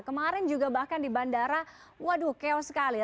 kemarin juga bahkan di bandara waduh chaos sekali